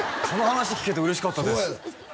その話聞けて嬉しかったです